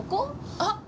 あっ！